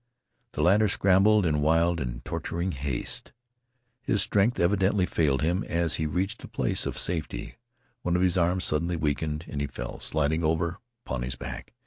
The latter scrambled in wild and torturing haste. His strength evidently failed him as he reached a place of safety. One of his arms suddenly weakened, and he fell, sliding over upon his back.